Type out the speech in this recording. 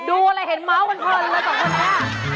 ดูอะไรเห็นเมาส์กันเผินเลยสองคนเนี่ย